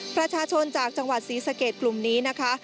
ประชาชนจากจังหวัดศรีสะเกดกลุ่มนี้นะคะ